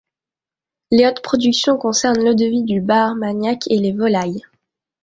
Les autres productions concernent l'eau-de-vie du Bas-Armagnac et les volailles.